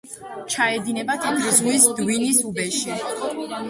ჩაედინება თეთრი ზღვის დვინის უბეში.